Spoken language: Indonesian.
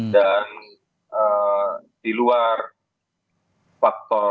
dan di luar faktor